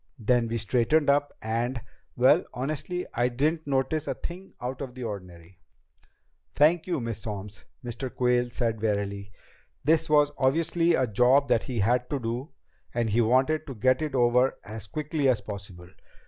Then we straightened up, and Well, I honestly didn't notice a thing out of the ordinary." "Thank you, Miss Solms," Mr. Quayle said wearily. This was obviously a job that he had to do, and he wanted to get it over as quickly as possible.